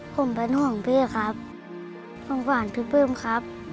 ผมเป็นห่วงพี่ครับสงสารพี่ปลื้มครับ